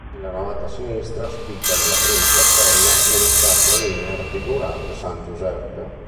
Nella navata sinistra spicca, nella prima cappella, una statua lignea raffigurante San Giuseppe.